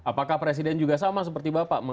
apakah presiden juga sama seperti bapak